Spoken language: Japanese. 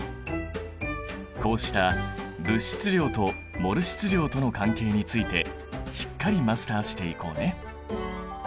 こうした物質量とモル質量との関係についてしっかりマスターしていこうね！